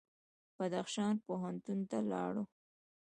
بدخشان پوهنتون ته لاړو.